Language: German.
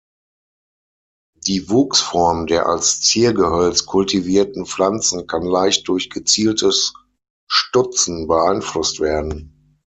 Die Wuchsform der als Ziergehölz kultivierten Pflanzen kann leicht durch gezieltes Stutzen beeinflusst werden.